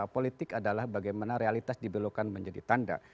politik adalah bagaimana realitas dibelokan menjadi tanda